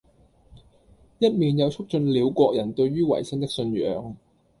一面又促進了國人對于維新的信仰。